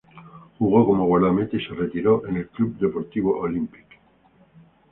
Jugó como guardameta y se retiró en el Club Deportivo Olímpic.